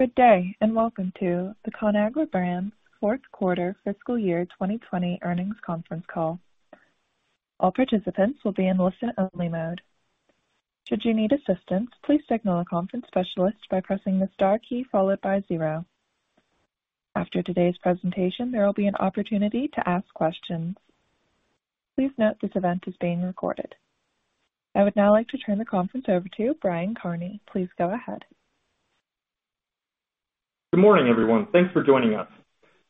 Good day and welcome to the Conagra Brands Fourth Quarter fiscal Year 2020 Earnings Conference Call. All participants will be in listen-only mode. Should you need assistance, please signal a conference specialist by pressing the star key followed by zero. After today's presentation, there will be an opportunity to ask questions. Please note this event is being recorded. I would now like to turn the conference over to Brian Kearney. Please go ahead. Good morning, everyone. Thanks for joining us.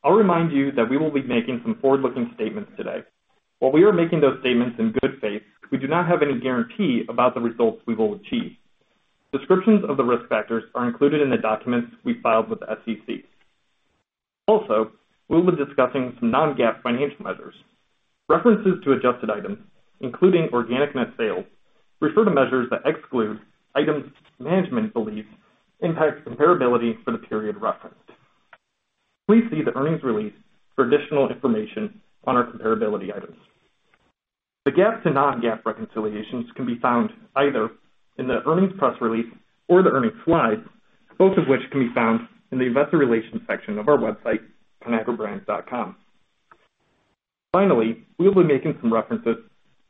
I'll remind you that we will be making some forward-looking statements today. While we are making those statements in good faith, we do not have any guarantee about the results we will achieve. Descriptions of the risk factors are included in the documents we filed with the SEC. Also, we will be discussing some non-GAAP financial measures. References to adjusted items, including organic net sales, refer to measures that exclude items management believes impact comparability for the period referenced. Please see the earnings release for additional information on our comparability items. The GAAP to non-GAAP reconciliations can be found either in the earnings press release or the earnings slides, both of which can be found in the investor relations section of our website, conagrabrands.com. Finally, we will be making some references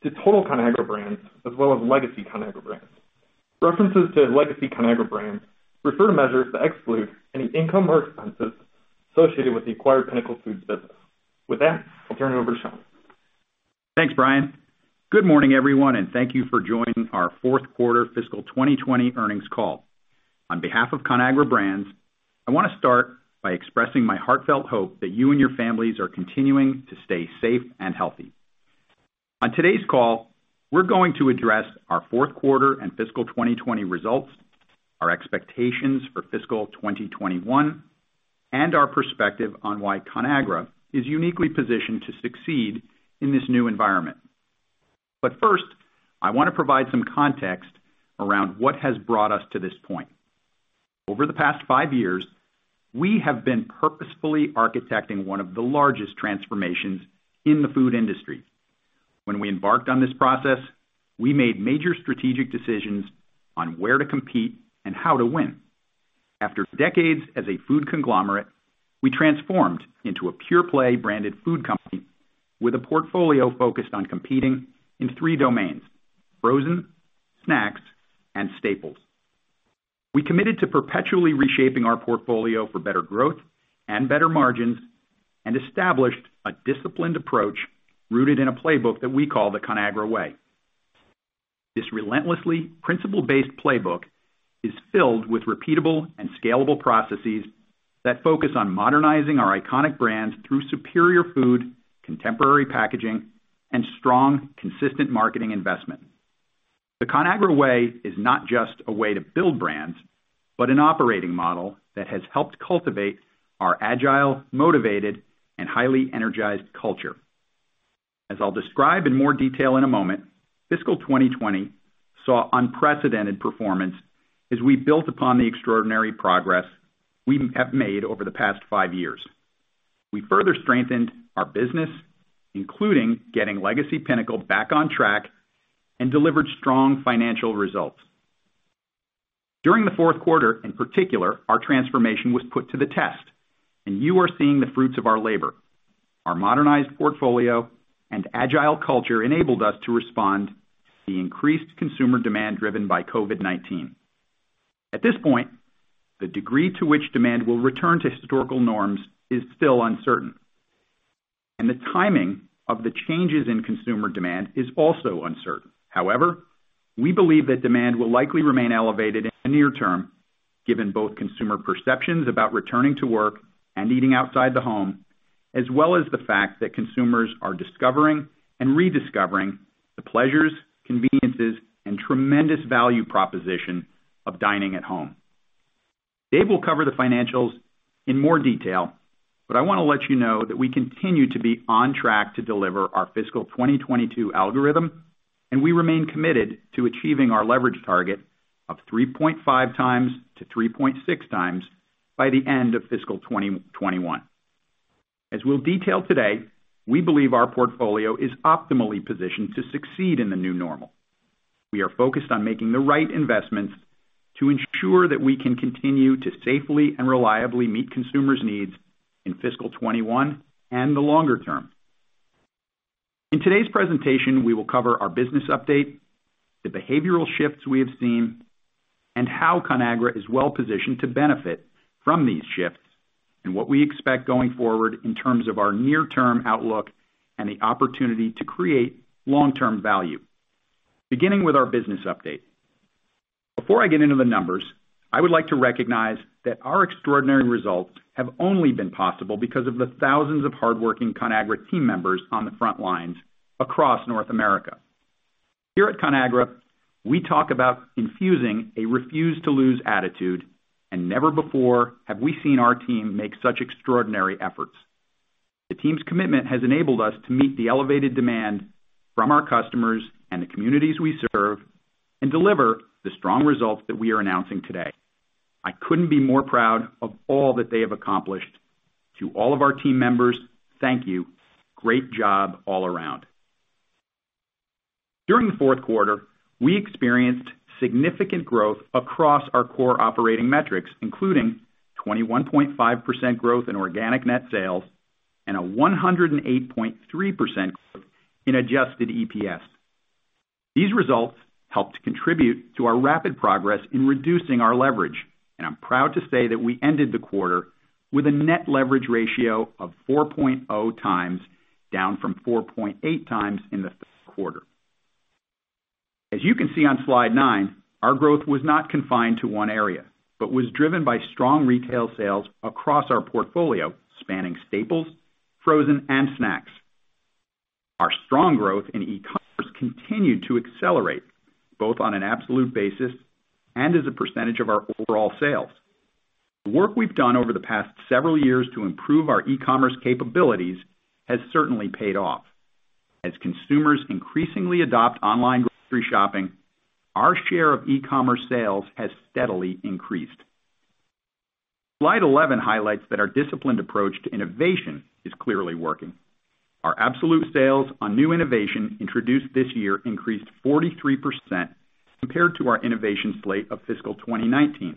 to total Conagra Brands as well as Legacy Conagra Brands. References to Legacy Conagra Brands refer to measures that exclude any income or expenses associated with the acquired Pinnacle Foods business. With that, I'll turn it over to Sean. Thanks, Brian. Good morning, everyone, and thank you for joining our Fourth Quarter fiscal 2020 Earnings Call. On behalf of Conagra Brands, I want to start by expressing my heartfelt hope that you and your families are continuing to stay safe and healthy. On today's call, we're going to address our Fourth Quarter and fiscal 2020 results, our expectations for fiscal 2021, and our perspective on why Conagra is uniquely positioned to succeed in this new environment. But first, I want to provide some context around what has brought us to this point. Over the past five years, we have been purposefully architecting one of the largest transformations in the food industry. When we embarked on this process, we made major strategic decisions on where to compete and how to win. After decades as a food conglomerate, we transformed into a pure-play branded food company with a portfolio focused on competing in three domains: frozen, snacks, and staples. We committed to perpetually reshaping our portfolio for better growth and better margins and established a disciplined approach rooted in a playbook that we call the Conagra Way. This relentlessly principle-based playbook is filled with repeatable and scalable processes that focus on modernizing our iconic brands through superior food, contemporary packaging, and strong, consistent marketing investment. The Conagra Way is not just a way to build brands, but an operating model that has helped cultivate our agile, motivated, and highly energized culture. As I'll describe in more detail in a moment, fiscal 2020 saw unprecedented performance as we built upon the extraordinary progress we have made over the past five years. We further strengthened our business, including getting Legacy Pinnacle back on track and delivered strong financial results. During the fourth quarter, in particular, our transformation was put to the test, and you are seeing the fruits of our labor. Our modernized portfolio and agile culture enabled us to respond to the increased consumer demand driven by COVID-19. At this point, the degree to which demand will return to historical norms is still uncertain, and the timing of the changes in consumer demand is also uncertain. However, we believe that demand will likely remain elevated in the near term, given both consumer perceptions about returning to work and eating outside the home, as well as the fact that consumers are discovering and rediscovering the pleasures, conveniences, and tremendous value proposition of dining at home. Dave will cover the financials in more detail, but I want to let you know that we continue to be on track to deliver our fiscal 2022 algorithm, and we remain committed to achieving our leverage target of 3.5×-3.6× by the end of fiscal 2021. As we'll detail today, we believe our portfolio is optimally positioned to succeed in the new normal. We are focused on making the right investments to ensure that we can continue to safely and reliably meet consumers' needs in fiscal 2021 and the longer term. In today's presentation, we will cover our business update, the behavioral shifts we have seen, and how Conagra is well positioned to benefit from these shifts and what we expect going forward in terms of our near-term outlook and the opportunity to create long-term value. Beginning with our business update. Before I get into the numbers, I would like to recognize that our extraordinary results have only been possible because of the thousands of hardworking Conagra team members on the front lines across North America. Here at Conagra, we talk about infusing a refuse-to-lose attitude, and never before have we seen our team make such extraordinary efforts. The team's commitment has enabled us to meet the elevated demand from our customers and the communities we serve and deliver the strong results that we are announcing today. I couldn't be more proud of all that they have accomplished. To all of our team members, thank you. Great job all around. During the fourth quarter, we experienced significant growth across our core operating metrics, including 21.5% growth in organic net sales and a 108.3% growth in adjusted EPS. These results helped contribute to our rapid progress in reducing our leverage, and I'm proud to say that we ended the quarter with a net leverage ratio of 4.0×, down from 4.8× in the third quarter. As you can see on slide nine, our growth was not confined to one area but was driven by strong retail sales across our portfolio spanning staples, frozen, and snacks. Our strong growth in e-commerce continued to accelerate, both on an absolute basis and as a percentage of our overall sales. The work we've done over the past several years to improve our e-commerce capabilities has certainly paid off. As consumers increasingly adopt online grocery shopping, our share of e-commerce sales has steadily increased. Slide 11 highlights that our disciplined approach to innovation is clearly working. Our absolute sales on new innovation introduced this year increased 43% compared to our innovation slate of fiscal 2019.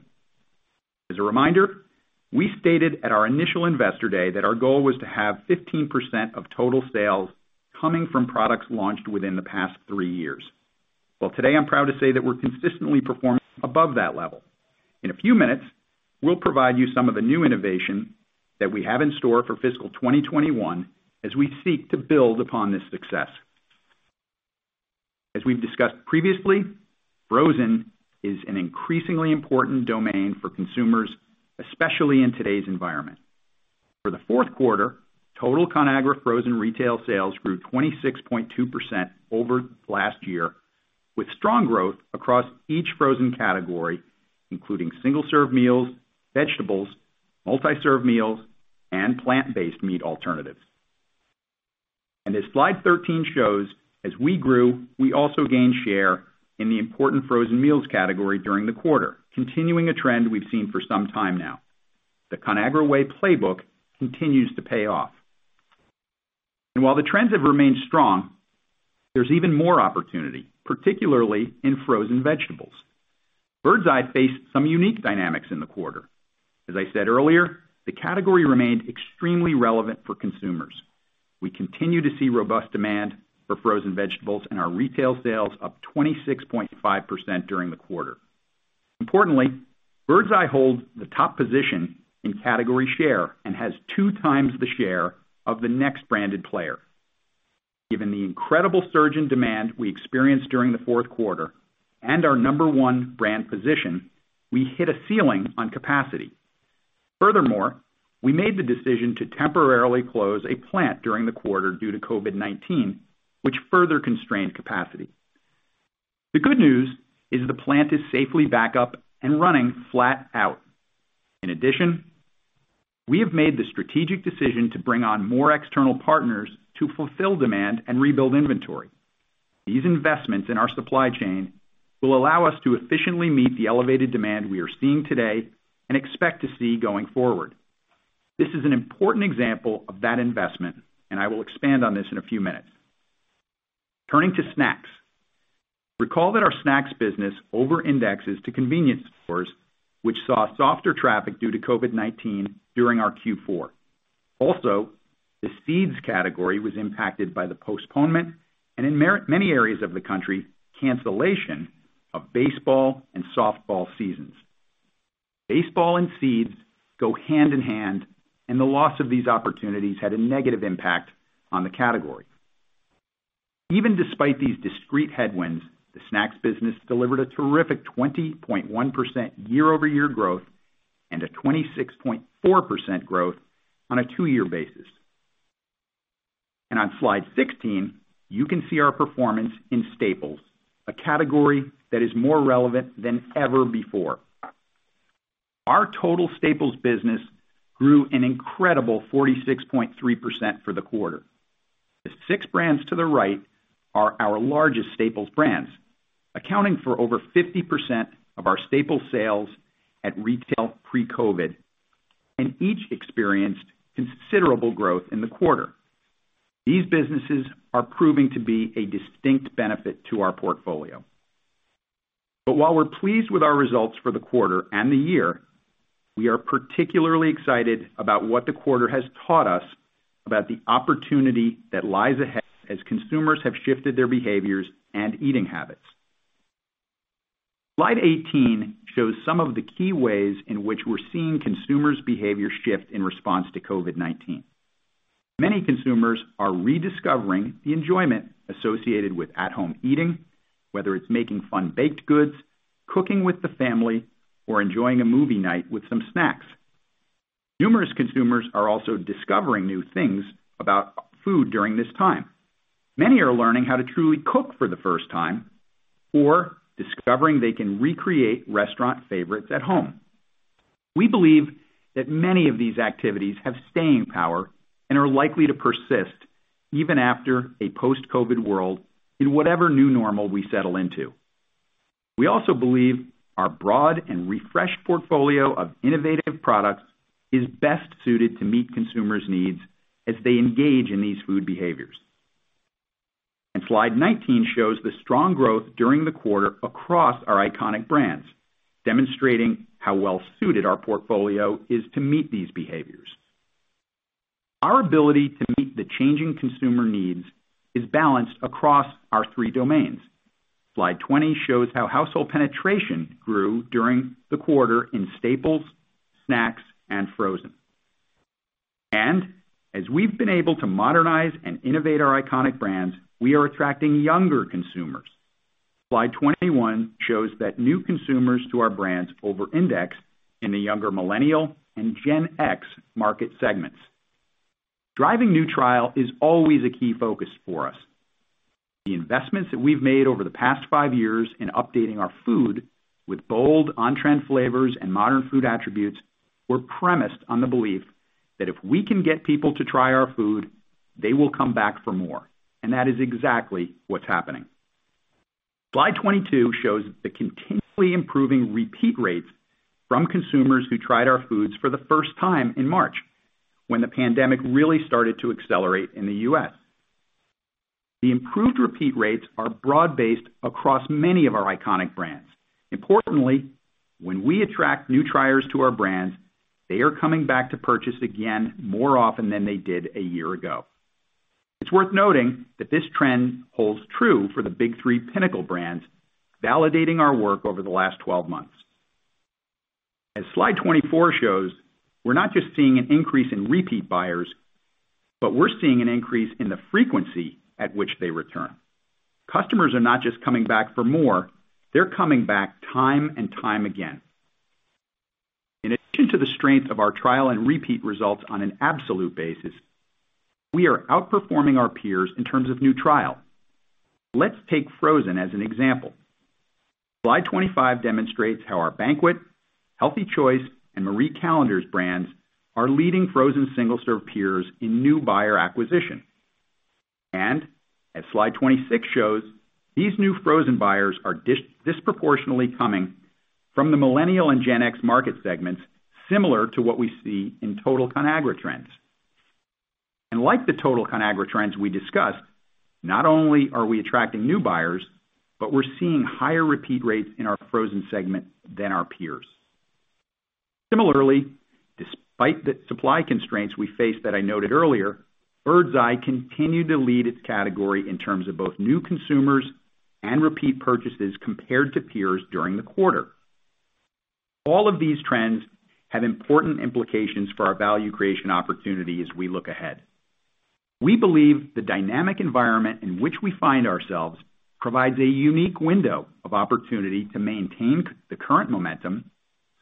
As a reminder, we stated at our initial investor day that our goal was to have 15% of total sales coming from products launched within the past three years. Well, today I'm proud to say that we're consistently performing above that level. In a few minutes, we'll provide you some of the new innovation that we have in store for fiscal 2021 as we seek to build upon this success. As we've discussed previously, frozen is an increasingly important domain for consumers, especially in today's environment. For the fourth quarter, total Conagra frozen retail sales grew 26.2% over last year, with strong growth across each frozen category, including single-serve meals, vegetables, multi-serve meals, and plant-based meat alternatives. As slide 13 shows, as we grew, we also gained share in the important frozen meals category during the quarter, continuing a trend we've seen for some time now. The Conagra Way playbook continues to pay off. While the trends have remained strong, there's even more opportunity, particularly in frozen vegetables. Birds Eye faced some unique dynamics in the quarter. As I said earlier, the category remained extremely relevant for consumers. We continue to see robust demand for frozen vegetables and our retail sales up 26.5% during the quarter. Importantly, Birds Eye holds the top position in category share and has two times the share of the next branded player. Given the incredible surge in demand we experienced during the fourth quarter and our number one brand position, we hit a ceiling on capacity. Furthermore, we made the decision to temporarily close a plant during the quarter due to COVID-19, which further constrained capacity. The good news is the plant is safely back up and running flat out. In addition, we have made the strategic decision to bring on more external partners to fulfill demand and rebuild inventory. These investments in our supply chain will allow us to efficiently meet the elevated demand we are seeing today and expect to see going forward. This is an important example of that investment, and I will expand on this in a few minutes. Turning to snacks, recall that our snacks business over-indexes to convenience stores, which saw softer traffic due to COVID-19 during our Q4. Also, the seeds category was impacted by the postponement and, in many areas of the country, cancellation of baseball and softball seasons. Baseball and seeds go hand in hand, and the loss of these opportunities had a negative impact on the category. Even despite these discrete headwinds, the snacks business delivered a terrific 20.1% year-over-year growth and a 26.4% growth on a two-year basis, and on slide 16, you can see our performance in staples, a category that is more relevant than ever before. Our total staples business grew an incredible 46.3% for the quarter. The six brands to the right are our largest staples brands, accounting for over 50% of our staples sales at retail pre-COVID, and each experienced considerable growth in the quarter. These businesses are proving to be a distinct benefit to our portfolio. But while we're pleased with our results for the quarter and the year, we are particularly excited about what the quarter has taught us about the opportunity that lies ahead as consumers have shifted their behaviors and eating habits. Slide 18 shows some of the key ways in which we're seeing consumers' behavior shift in response to COVID-19. Many consumers are rediscovering the enjoyment associated with at-home eating, whether it's making fun baked goods, cooking with the family, or enjoying a movie night with some snacks. Numerous consumers are also discovering new things about food during this time. Many are learning how to truly cook for the first time or discovering they can recreate restaurant favorites at home. We believe that many of these activities have staying power and are likely to persist even after a post-COVID world in whatever new normal we settle into. We also believe our broad and refreshed portfolio of innovative products is best suited to meet consumers' needs as they engage in these food behaviors, and slide 19 shows the strong growth during the quarter across our iconic brands, demonstrating how well-suited our portfolio is to meet these behaviors. Our ability to meet the changing consumer needs is balanced across our three domains. Slide 20 shows how household penetration grew during the quarter in staples, snacks, and frozen, and as we've been able to modernize and innovate our iconic brands, we are attracting younger consumers. Slide 21 shows that new consumers to our brands over-index in the younger millennial and Gen X market segments. Driving new trial is always a key focus for us. The investments that we've made over the past five years in updating our food with bold, on-trend flavors and modern food attributes were premised on the belief that if we can get people to try our food, they will come back for more, and that is exactly what's happening. Slide 22 shows the continually improving repeat rates from consumers who tried our foods for the first time in March when the pandemic really started to accelerate in the U.S. The improved repeat rates are broad-based across many of our iconic brands. Importantly, when we attract new triers to our brands, they are coming back to purchase again more often than they did a year ago. It's worth noting that this trend holds true for the big three Pinnacle brands, validating our work over the last 12 months. As slide 24 shows, we're not just seeing an increase in repeat buyers, but we're seeing an increase in the frequency at which they return. Customers are not just coming back for more. They're coming back time and time again. In addition to the strength of our trial and repeat results on an absolute basis, we are outperforming our peers in terms of new trial. Let's take frozen as an example. Slide 25 demonstrates how our Banquet, Healthy Choice, and Marie Callender's brands are leading frozen single-serve peers in new buyer acquisition, and as slide 26 shows, these new frozen buyers are disproportionately coming from the millennial and Gen X market segments. Similar to what we see in total Conagra trends, and like the total Conagra trends we discussed, not only are we attracting new buyers, but we're seeing higher repeat rates in our frozen segment than our peers. Similarly, despite the supply constraints we faced that I noted earlier, Birds Eye continued to lead its category in terms of both new consumers and repeat purchases compared to peers during the quarter. All of these trends have important implications for our value creation opportunity as we look ahead. We believe the dynamic environment in which we find ourselves provides a unique window of opportunity to maintain the current momentum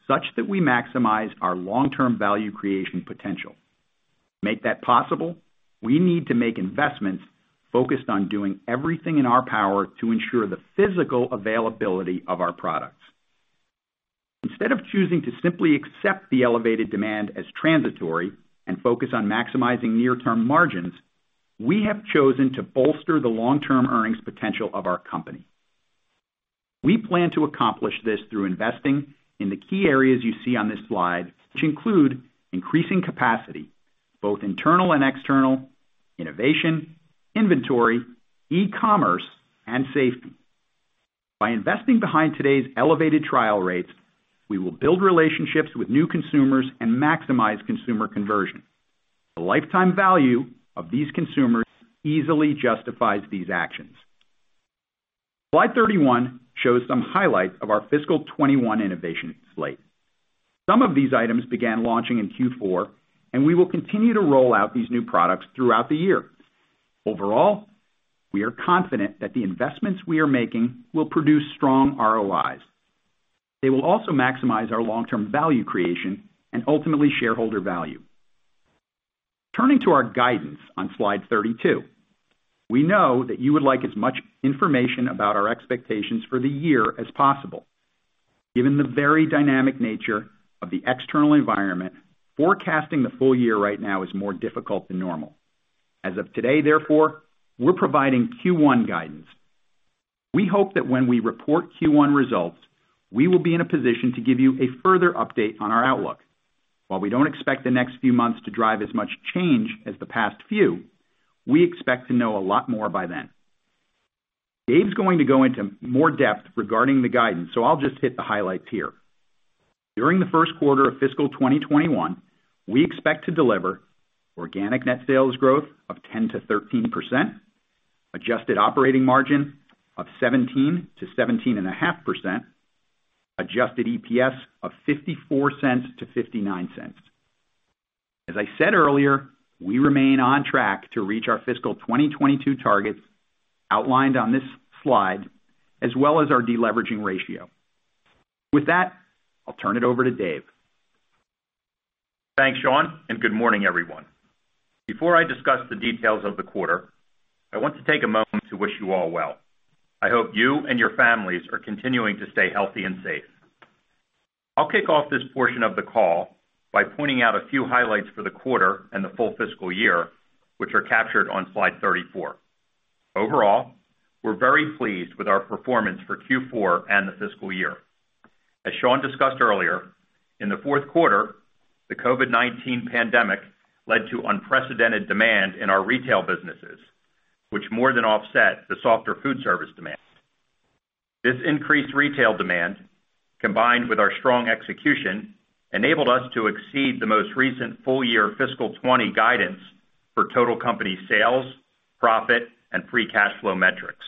such that we maximize our long-term value creation potential. To make that possible, we need to make investments focused on doing everything in our power to ensure the physical availability of our products. Instead of choosing to simply accept the elevated demand as transitory and focus on maximizing near-term margins, we have chosen to bolster the long-term earnings potential of our company. We plan to accomplish this through investing in the key areas you see on this slide, which include increasing capacity, both internal and external, innovation, inventory, e-commerce, and safety. By investing behind today's elevated trial rates, we will build relationships with new consumers and maximize consumer conversion. The lifetime value of these consumers easily justifies these actions. Slide 31 shows some highlights of our fiscal 2021 innovation slate. Some of these items began launching in Q4, and we will continue to roll out these new products throughout the year. Overall, we are confident that the investments we are making will produce strong ROIs. They will also maximize our long-term value creation and ultimately shareholder value. Turning to our guidance on slide 32, we know that you would like as much information about our expectations for the year as possible. Given the very dynamic nature of the external environment, forecasting the full year right now is more difficult than normal. As of today, therefore, we're providing Q1 guidance. We hope that when we report Q1 results, we will be in a position to give you a further update on our outlook. While we don't expect the next few months to drive as much change as the past few, we expect to know a lot more by then. Dave's going to go into more depth regarding the guidance, so I'll just hit the highlights here. During the first quarter of fiscal 2021, we expect to deliver organic net sales growth of 10%-13%, adjusted operating margin of 17%-17.5%, adjusted EPS of $0.54-$0.59. As I said earlier, we remain on track to reach our fiscal 2022 targets outlined on this slide, as well as our deleveraging ratio. With that, I'll turn it over to Dave. Thanks, Sean, and good morning, everyone. Before I discuss the details of the quarter, I want to take a moment to wish you all well. I hope you and your families are continuing to stay healthy and safe. I'll kick off this portion of the call by pointing out a few highlights for the quarter and the full fiscal year, which are captured on slide 34. Overall, we're very pleased with our performance for Q4 and the fiscal year. As Sean discussed earlier, in the fourth quarter, the COVID-19 pandemic led to unprecedented demand in our retail businesses, which more than offset the softer food service demand. This increased retail demand, combined with our strong execution, enabled us to exceed the most recent full-year fiscal 2020 guidance for total company sales, profit, and free cash flow metrics.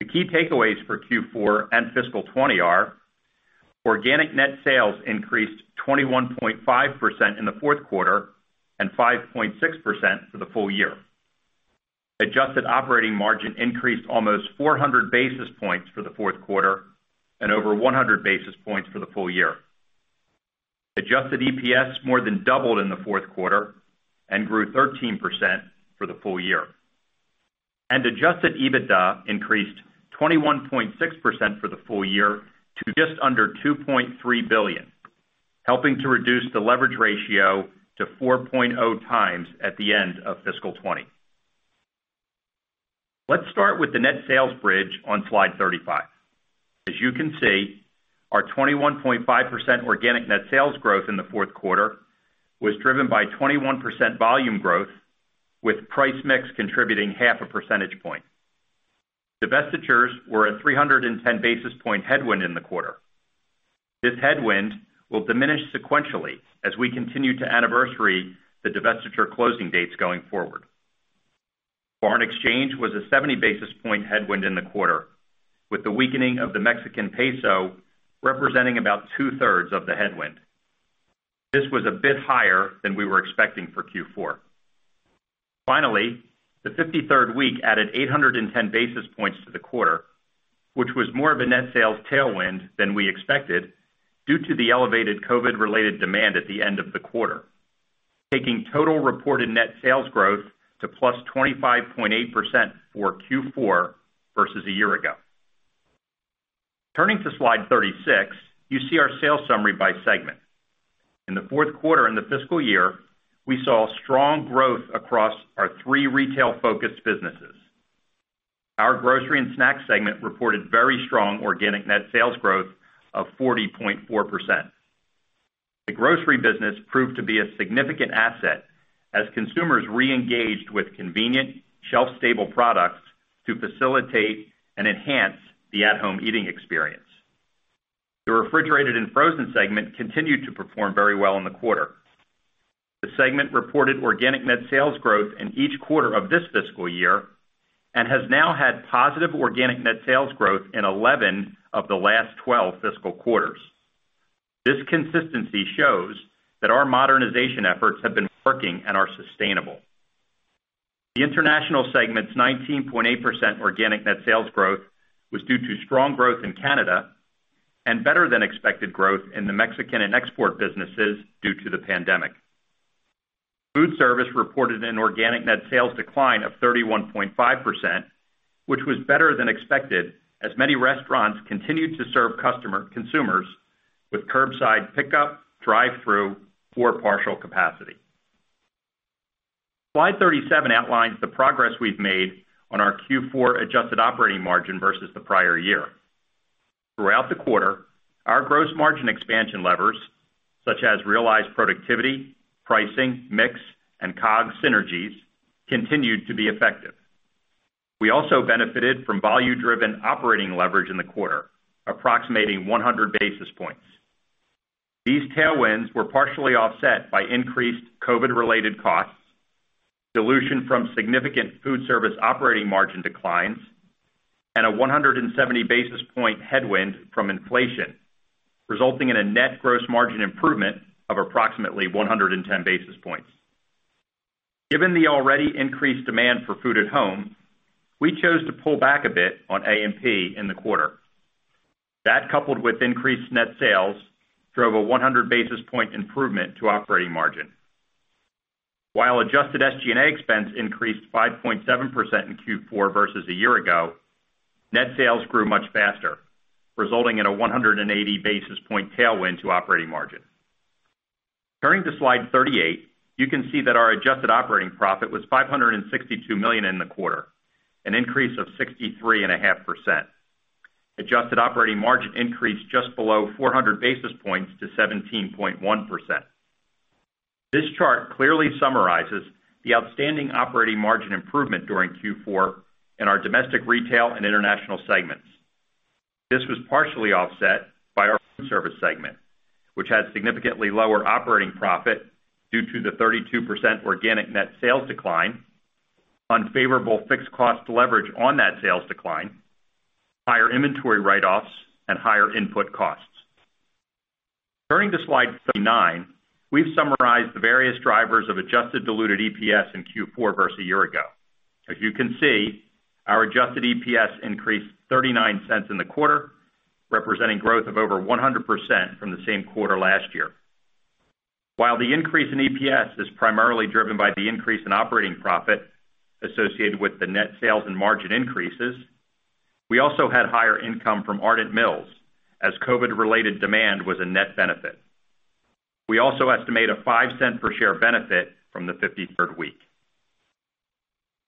The key takeaways for Q4 and fiscal 2020 are organic net sales increased 21.5% in the fourth quarter and 5.6% for the full year. Adjusted operating margin increased almost 400 basis points for the fourth quarter and over 100 basis points for the full year. Adjusted EPS more than doubled in the fourth quarter and grew 13% for the full year, and adjusted EBITDA increased 21.6% for the full year to just under $2.3 billion, helping to reduce the leverage ratio to 4.0× at the end of fiscal 2020. Let's start with the net sales bridge on slide 35. As you can see, our 21.5% organic net sales growth in the fourth quarter was driven by 21% volume growth, with price mix contributing half a percentage point. Divestitures were a 310 basis point headwind in the quarter. This headwind will diminish sequentially as we continue to anniversary the divestiture closing dates going forward. Foreign exchange was a 70 basis point headwind in the quarter, with the weakening of the Mexican peso representing about two-thirds of the headwind. This was a bit higher than we were expecting for Q4. Finally, the 53rd week added 810 basis points to the quarter, which was more of a net sales tailwind than we expected due to the elevated COVID-related demand at the end of the quarter, taking total reported net sales growth to plus 25.8% for Q4 versus a year ago. Turning to slide 36, you see our sales summary by segment. In the fourth quarter in the fiscal year, we saw strong growth across our three retail-focused businesses. Our Grocery and Snack segment reported very strong organic net sales growth of 40.4%. The grocery business proved to be a significant asset as consumers re-engaged with convenient, shelf-stable products to facilitate and enhance the at-home eating experience. The refrigerated and frozen segment continued to perform very well in the quarter. The segment reported organic net sales growth in each quarter of this fiscal year and has now had positive organic net sales growth in 11 of the last 12 fiscal quarters. This consistency shows that our modernization efforts have been working and are sustainable. The international segment's 19.8% organic net sales growth was due to strong growth in Canada and better-than-expected growth in the Mexican and export businesses due to the pandemic. foodservice reported an organic net sales decline of 31.5%, which was better-than-expected as many restaurants continued to serve consumers with curbside pickup, drive-through, or partial capacity. Slide 37 outlines the progress we've made on our Q4 adjusted operating margin versus the prior year. Throughout the quarter, our gross margin expansion levers, such as realized productivity, pricing, mix, and COGS synergies, continued to be effective. We also benefited from value-driven operating leverage in the quarter, approximating 100 basis points. These tailwinds were partially offset by increased COVID-related costs, dilution from significant foodservice operating margin declines, and a 170 basis point headwind from inflation, resulting in a net gross margin improvement of approximately 110 basis points. Given the already increased demand for food at home, we chose to pull back a bit on A&P in the quarter. That, coupled with increased net sales, drove a 100 basis points improvement to operating margin. While adjusted SG&A expense increased 5.7% in Q4 versus a year ago, net sales grew much faster, resulting in a 180 basis points tailwind to operating margin. Turning to slide 38, you can see that our adjusted operating profit was $562 million in the quarter, an increase of 63.5%. Adjusted operating margin increased just below 400 basis points to 17.1%. This chart clearly summarizes the outstanding operating margin improvement during Q4 in our Domestic Retail and international segments. This was partially offset by our foodservice segment, which had significantly lower operating profit due to the 32% organic net sales decline, unfavorable fixed cost leverage on that sales decline, higher inventory write-offs, and higher input costs. Turning to slide 39, we've summarized the various drivers of adjusted diluted EPS in Q4 versus a year ago. As you can see, our adjusted EPS increased $0.39 in the quarter, representing growth of over 100% from the same quarter last year. While the increase in EPS is primarily driven by the increase in operating profit associated with the net sales and margin increases, we also had higher income from Ardent Mills as COVID-related demand was a net benefit. We also estimate a $0.05 per share benefit from the 53rd week.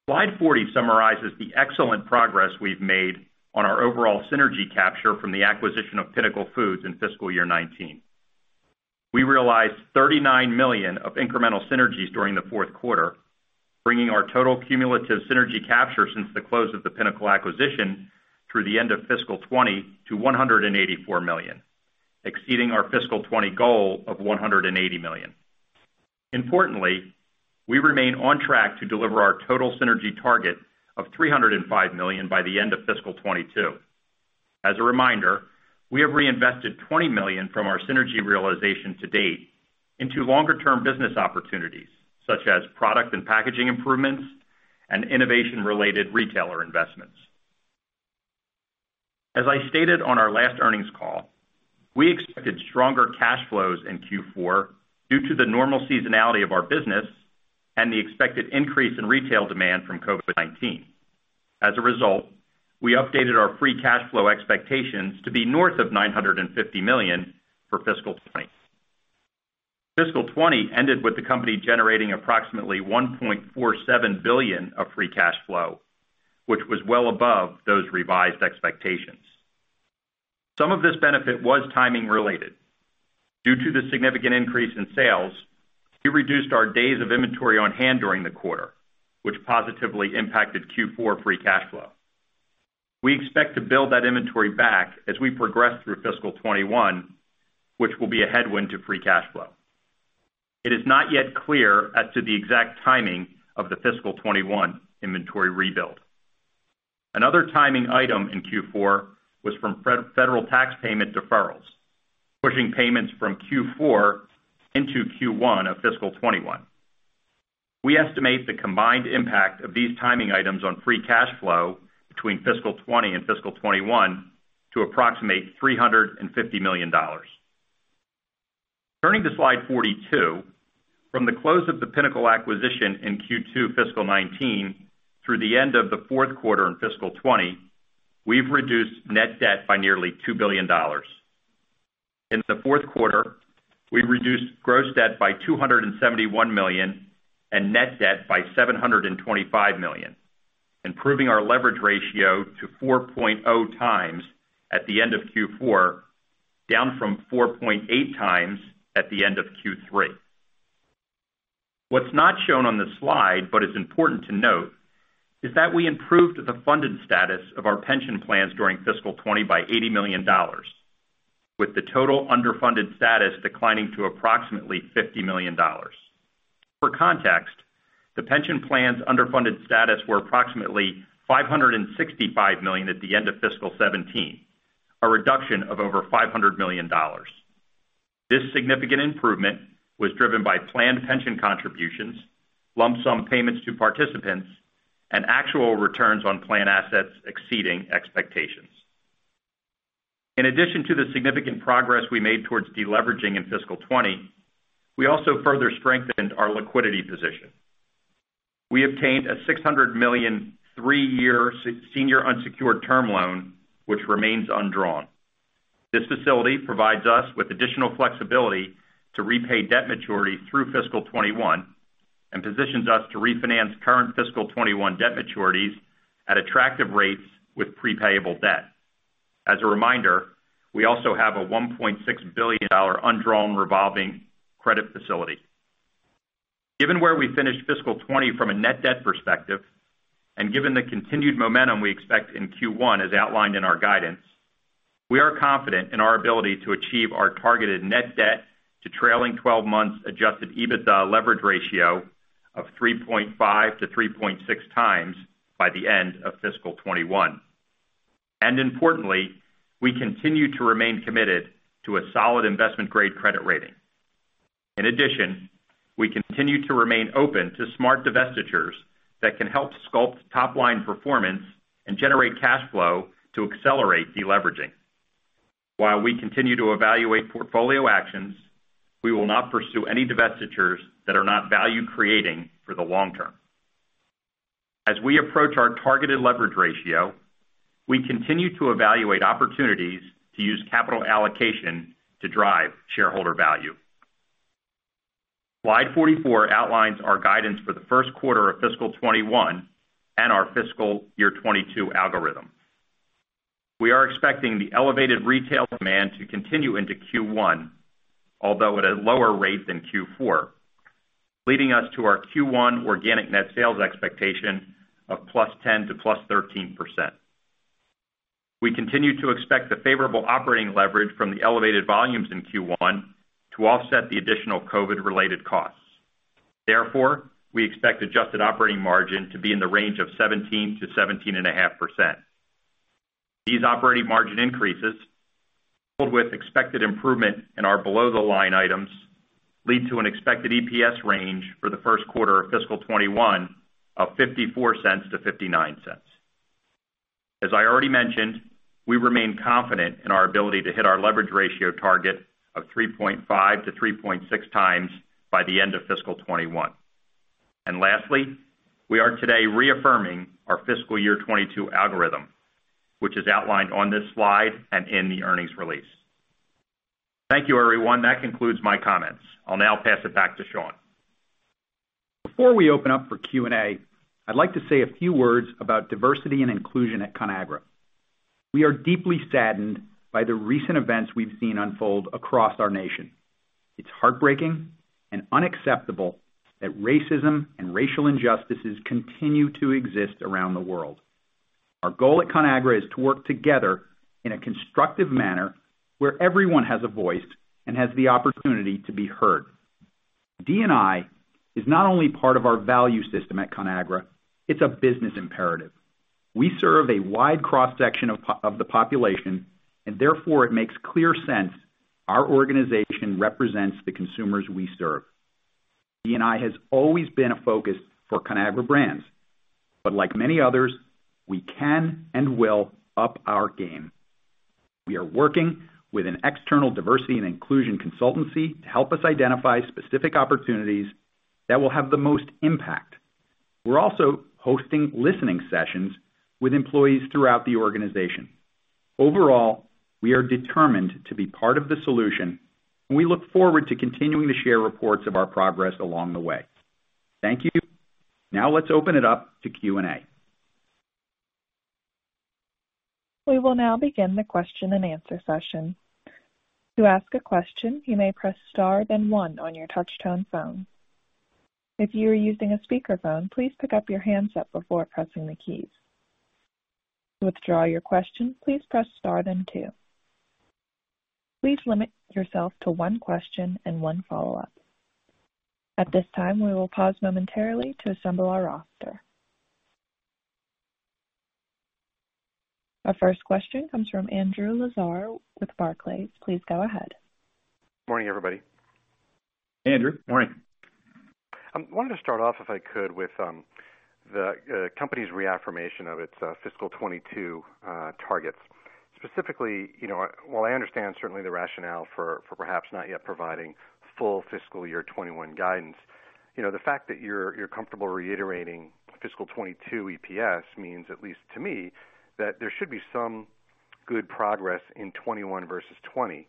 Slide 40 summarizes the excellent progress we've made on our overall synergy capture from the acquisition of Pinnacle Foods in fiscal year 2019. We realized 39 million of incremental synergies during the fourth quarter, bringing our total cumulative synergy capture since the close of the Pinnacle acquisition through the end of fiscal 2020 to 184 million, exceeding our fiscal 2020 goal of 180 million. Importantly, we remain on track to deliver our total synergy target of $305 million by the end of fiscal 2022. As a reminder, we have reinvested $20 million from our synergy realization to date into longer-term business opportunities, such as product and packaging improvements and innovation-related retailer investments. As I stated on our last earnings call, we expected stronger cash flows in Q4 due to the normal seasonality of our business and the expected increase in retail demand from COVID-19. As a result, we updated our free cash flow expectations to be north of $950 million for fiscal 2020. fiscal 2020 ended with the company generating approximately $1.47 billion of free cash flow, which was well above those revised expectations. Some of this benefit was timing-related. Due to the significant increase in sales, we reduced our days of inventory on hand during the quarter, which positively impacted Q4 free cash flow. We expect to build that inventory back as we progress through fiscal 2021, which will be a headwind to free cash flow. It is not yet clear as to the exact timing of the fiscal 2021 inventory rebuild. Another timing item in Q4 was from federal tax payment deferrals, pushing payments from Q4 into Q1 of fiscal 2021. We estimate the combined impact of these timing items on free cash flow between fiscal 20 and fiscal 2021 to approximate $350 million. Turning to slide 42, from the close of the Pinnacle acquisition in Q2 fiscal 19 through the end of the fourth quarter in fiscal 20, we've reduced net debt by nearly $2 billion. In the fourth quarter, we reduced gross debt by $271 million and net debt by $725 million, improving our leverage ratio to 4.0× at the end of Q4, down from 4.8× at the end of Q3. What's not shown on the slide, but is important to note, is that we improved the funded status of our pension plans during fiscal 2020 by $80 million, with the total underfunded status declining to approximately $50 million. For context, the pension plans' underfunded status were approximately $565 million at the end of fiscal 2017, a reduction of over $500 million. This significant improvement was driven by planned pension contributions, lump sum payments to participants, and actual returns on planned assets exceeding expectations. In addition to the significant progress we made towards deleveraging in fiscal 2020, we also further strengthened our liquidity position. We obtained a $600 million three-year senior unsecured term loan, which remains undrawn. This facility provides us with additional flexibility to repay debt maturity through fiscal 2021 and positions us to refinance current fiscal 2021 debt maturities at attractive rates with prepayable debt. As a reminder, we also have a $1.6 billion undrawn revolving credit facility. Given where we finished fiscal 2020 from a net debt perspective and given the continued momentum we expect in Q1, as outlined in our guidance, we are confident in our ability to achieve our targeted net debt to trailing 12 months Adjusted EBITDA leverage ratio of 3.5×-3.6× by the end of fiscal 2021. Importantly, we continue to remain committed to a solid investment-grade credit rating. In addition, we continue to remain open to smart divestitures that can help sculpt top-line performance and generate cash flow to accelerate deleveraging. While we continue to evaluate portfolio actions, we will not pursue any divestitures that are not value-creating for the long term. As we approach our targeted leverage ratio, we continue to evaluate opportunities to use capital allocation to drive shareholder value. Slide 44 outlines our guidance for the first quarter of fiscal 2021 and our fiscal year 2022 algorithm. We are expecting the elevated retail demand to continue into Q1, although at a lower rate than Q4, leading us to our Q1 organic net sales expectation of 10%-13%. We continue to expect the favorable operating leverage from the elevated volumes in Q1 to offset the additional COVID-related costs. Therefore, we expect adjusted operating margin to be in the range of 17%-17.5%. These operating margin increases, coupled with expected improvement in our below-the-line items, lead to an expected EPS range for the first quarter of fiscal 2021 of $0.54-$0.59. As I already mentioned, we remain confident in our ability to hit our leverage ratio target of 3.5×-3.6× by the end of fiscal 2021. And lastly, we are today reaffirming our fiscal year 2022 algorithm, which is outlined on this slide and in the earnings release. Thank you, everyone. That concludes my comments. I'll now pass it back to Sean. Before we open up for Q&A, I'd like to say a few words about diversity and inclusion at Conagra. We are deeply saddened by the recent events we've seen unfold across our nation. It's heartbreaking and unacceptable that racism and racial injustices continue to exist around the world. Our goal at Conagra is to work together in a constructive manner where everyone has a voice and has the opportunity to be heard. D&I is not only part of our value system at Conagra. It's a business imperative. We serve a wide cross-section of the population, and therefore it makes clear sense our organization represents the consumers we serve. D&I has always been a focus for Conagra Brands, but like many others, we can and will up our game. We are working with an external diversity and inclusion consultancy to help us identify specific opportunities that will have the most impact. We're also hosting listening sessions with employees throughout the organization. Overall, we are determined to be part of the solution, and we look forward to continuing to share reports of our progress along the way. Thank you. Now let's open it up to Q&A. We will now begin the question and answer session. To ask a question, you may press star, then one on your touch-tone phone. If you are using a speakerphone, please pick up the handset before pressing the keys. To withdraw your question, please press star, then two. Please limit yourself to one question and one follow-up. At this time, we will pause momentarily to assemble our roster. Our first question comes from Andrew Lazar with Barclays. Please go ahead. Morning, everybody. Andrew, morning. I wanted to start off, if I could, with the company's reaffirmation of its fiscal 2022 targets. Specifically, while I understand certainly the rationale for perhaps not yet providing full fiscal Year 2021 guidance, the fact that you're comfortable reiterating fiscal Year 2022 EPS means, at least to me, that there should be some good progress in 2021 versus 2020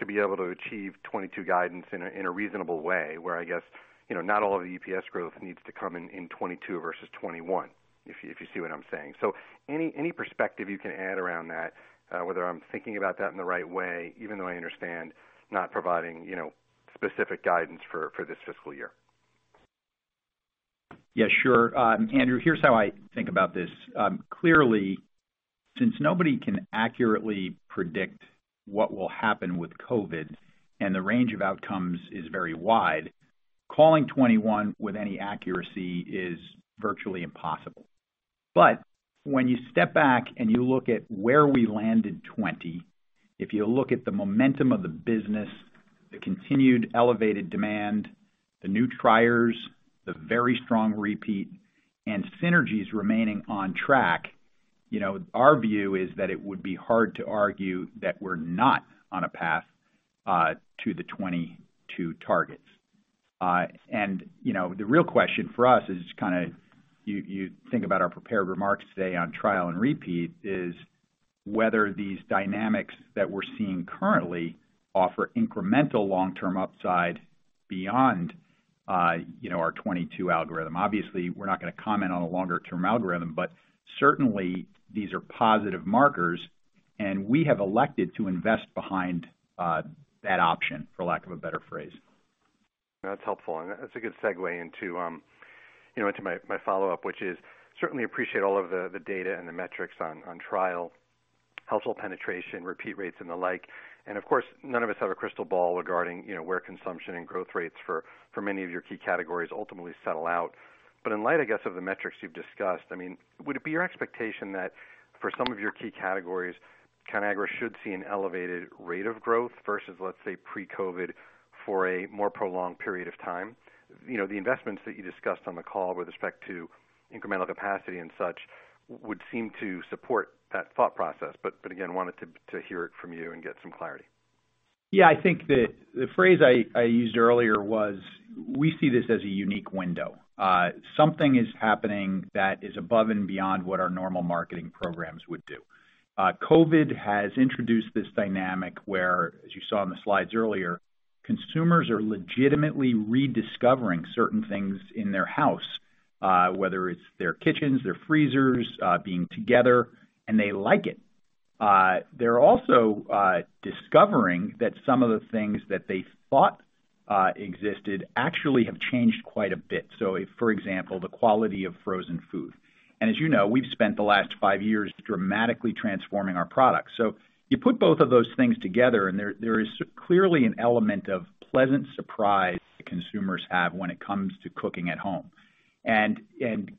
to be able to achieve 2022 guidance in a reasonable way. Where I guess not all of the EPS growth needs to come in 2022 versus 2021, if you see what I'm saying. So any perspective you can add around that, whether I'm thinking about that in the right way, even though I understand not providing specific guidance for this fiscal year? Yeah, sure. Andrew, here's how I think about this. Clearly, since nobody can accurately predict what will happen with COVID and the range of outcomes is very wide, calling 2021 with any accuracy is virtually impossible. But when you step back and you look at where we landed 2020, if you look at the momentum of the business, the continued elevated demand, the new triers, the very strong repeat, and synergies remaining on track, our view is that it would be hard to argue that we're not on a path to the 2022 targets. And the real question for us is kind of, you think about our prepared remarks today on trial and repeat, is whether these dynamics that we're seeing currently offer incremental long-term upside beyond our 2022 algorithm. Obviously, we're not going to comment on a longer-term algorithm, but certainly these are positive markers, and we have elected to invest behind that option, for lack of a better phrase. That's helpful. That's a good segue into my follow-up, which is, I certainly appreciate all of the data and the metrics on trial, household penetration, repeat rates, and the like. Of course, none of us have a crystal ball regarding where consumption and growth rates for many of your key categories ultimately settle out. In light, I guess, of the metrics you've discussed, I mean, would it be your expectation that for some of your key categories, Conagra should see an elevated rate of growth versus, let's say, pre-COVID for a more prolonged period of time? The investments that you discussed on the call with respect to incremental capacity and such would seem to support that thought process. Again, wanted to hear it from you and get some clarity. Yeah, I think the phrase I used earlier was, we see this as a unique window. Something is happening that is above and beyond what our normal marketing programs would do. COVID has introduced this dynamic where, as you saw on the slides earlier, consumers are legitimately rediscovering certain things in their house, whether it's their kitchens, their freezers, being together, and they like it. They're also discovering that some of the things that they thought existed actually have changed quite a bit. So for example, the quality of frozen food. And as you know, we've spent the last five years dramatically transforming our products. So you put both of those things together, and there is clearly an element of pleasant surprise that consumers have when it comes to cooking at home.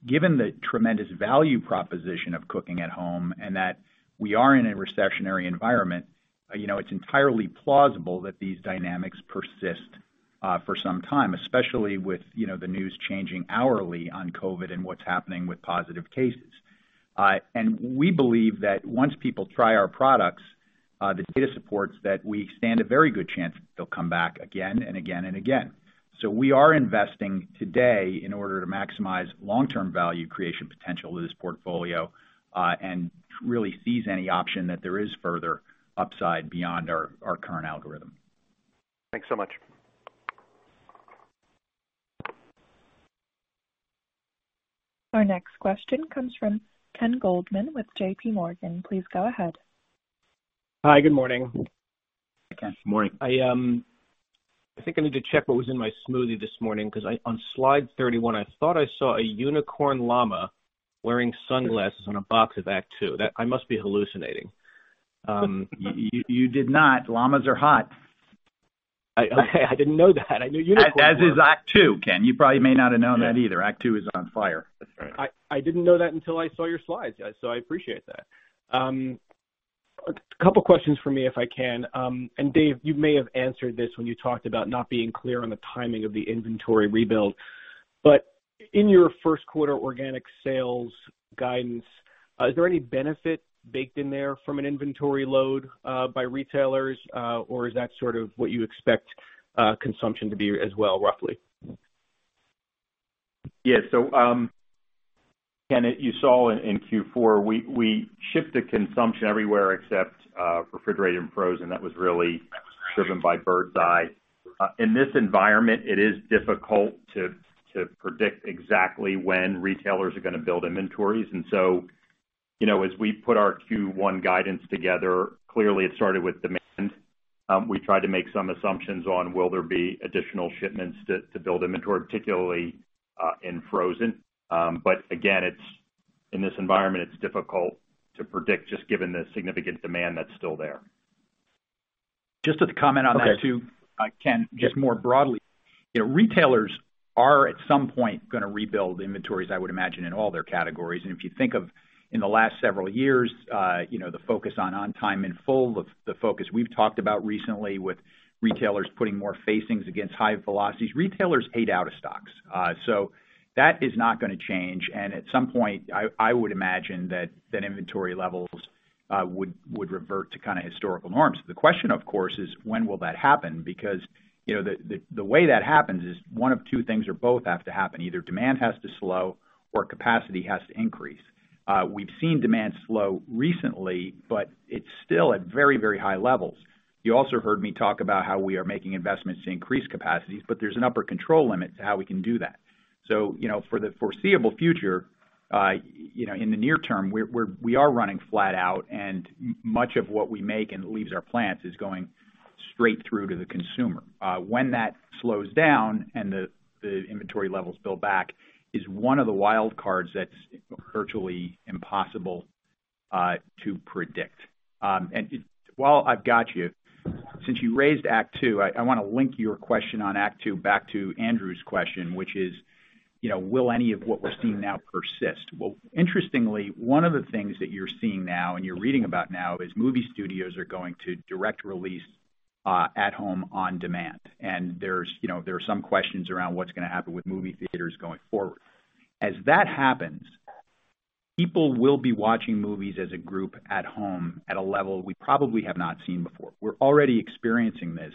Given the tremendous value proposition of cooking at home and that we are in a recessionary environment, it's entirely plausible that these dynamics persist for some time, especially with the news changing hourly on COVID and what's happening with positive cases. We believe that once people try our products, the data supports that we stand a very good chance they'll come back again and again and again. We are investing today in order to maximize long-term value creation potential of this portfolio and really seize any option that there is further upside beyond our current algorithm. Thanks so much. Our next question comes from Ken Goldman with JPMorgan. Please go ahead. Hi, good morning. Good morning. I think I need to check what was in my smoothie this morning because on slide 31, I thought I saw a unicorn llama wearing sunglasses on a box of Act II. I must be hallucinating. You did not. Llamas are hot. I didn't know that. I knew unicorns. As is Act II, Ken. You probably may not have known that either. Act II is on fire. I didn't know that until I saw your slides, so I appreciate that. A couple of questions for me, if I can. And Dave, you may have answered this when you talked about not being clear on the timing of the inventory rebuild. But in your first quarter organic sales guidance, is there any benefit baked in there from an inventory load by retailers, or is that sort of what you expect consumption to be as well, roughly? Yeah. So you saw in Q4, we shipped the consumption everywhere except refrigerated and frozen. That was really driven by Birds Eye. In this environment, it is difficult to predict exactly when retailers are going to build inventories. And so as we put our Q1 guidance together, clearly it started with demand. We tried to make some assumptions on will there be additional shipments to build inventory, particularly in frozen. But again, in this environment, it's difficult to predict just given the significant demand that's still there. Just to comment on that too, Ken, just more broadly, retailers are at some point going to rebuild inventories, I would imagine, in all their categories. And if you think of in the last several years, the focus on on-time and full, the focus we've talked about recently with retailers putting more facings against high velocities, retailers ate out of stocks. So that is not going to change. And at some point, I would imagine that inventory levels would revert to kind of historical norms. The question, of course, is when will that happen? Because the way that happens is one of two things or both have to happen. Either demand has to slow or capacity has to increase. We've seen demand slow recently, but it's still at very, very high levels. You also heard me talk about how we are making investments to increase capacities, but there's an upper control limit to how we can do that. So for the foreseeable future, in the near term, we are running flat out, and much of what we make and leaves our plants is going straight through to the consumer. When that slows down and the inventory levels build back, it's one of the wild cards that's virtually impossible to predict. While I've got you, since you raised Act II, I want to link your question on Act II back to Andrew's question, which is, will any of what we're seeing now persist? Interestingly, one of the things that you're seeing now and you're reading about now is movie studios are going to direct release at home on demand. There are some questions around what's going to happen with movie theaters going forward. As that happens, people will be watching movies as a group at home at a level we probably have not seen before. We're already experiencing this,